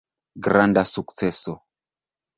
Granda sukceso!